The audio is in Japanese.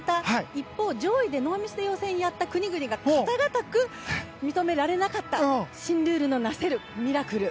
一方、上位でノーミスで予選をやった国がことごとく認められなかった新ルールのミラクル。